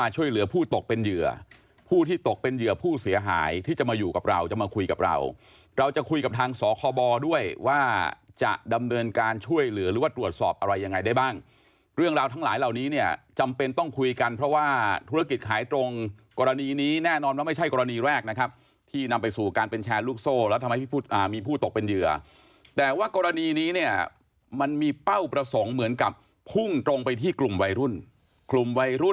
ช่วยเหลือหรือว่าตรวจสอบอะไรยังไงได้บ้างเรื่องราวทั้งหลายเหล่านี้เนี้ยจำเป็นต้องคุยกันเพราะว่าธุรกิจขายตรงกรณีนี้แน่นอนว่าไม่ใช่กรณีแรกนะครับที่นำไปสู่การเป็นแชร์ลูกโซ่แล้วทำให้พี่พูดอ่ามีผู้ตกเป็นเหยื่อแต่ว่ากรณีนี้เนี้ยมันมีเป้าประสงค์เหมือนกับฟุ่งตรงไปที่กลุ่ม